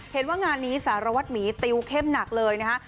เห็นว่างานนี้สารวัตรหมีติวเข้มหนักเลยนะฮะ